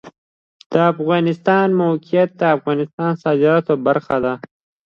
د افغانستان د موقعیت د افغانستان د صادراتو برخه ده.